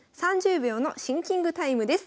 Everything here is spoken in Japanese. ３０秒のシンキングタイムです。